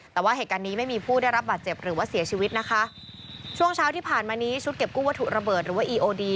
แต่ว่าเหตุการณ์นี้ไม่มีผู้ได้รับบาดเจ็บหรือว่าเสียชีวิตนะคะช่วงเช้าที่ผ่านมานี้ชุดเก็บกู้วัตถุระเบิดหรือว่าอีโอดี